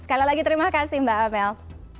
sekali lagi terima kasih mbak amel